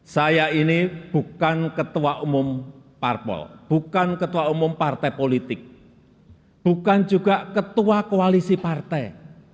saya ini bukan ketua umum parpol bukan ketua umum partai politik bukan juga ketua koalisi partai